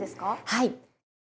はい。